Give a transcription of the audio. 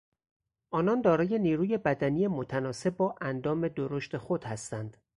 آنان دارای نیروی بدنی متناسب با اندام درشت خود هستند.